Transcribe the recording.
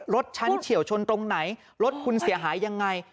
รถฉันเฉียวชนตรงไหนรถคุณเสียหายยังไง